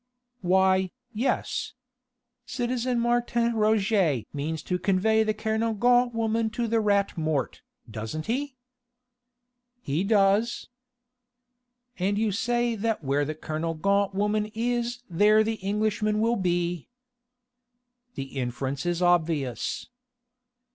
"Why, yes. Citizen Martin Roget means to convey the Kernogan woman to the Rat Mort, doesn't he?" "He does." "And you say that where the Kernogan woman is there the Englishmen will be...." "The inference is obvious."